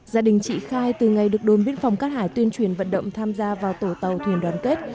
gia đình chị khai từ ngày được đồn biên phòng cát hải tuyên truyền vận động tham gia vào tổ tàu thuyền đoàn kết